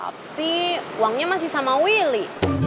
tapi uangnya masih sama willy